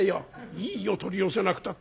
「いいよ取り寄せなくたって。